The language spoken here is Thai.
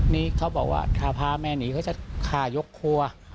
นี่เขาบอกว่าถ้าพาแม่หนีเขาจะฆ่ายกครัว